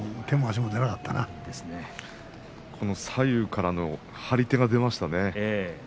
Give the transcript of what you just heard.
貴景勝は左右からの張り手が出ましたね